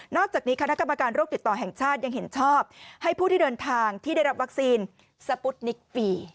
อกจากนี้คณะกรรมการโรคติดต่อแห่งชาติยังเห็นชอบให้ผู้ที่เดินทางที่ได้รับวัคซีนสปุตนิกฟรี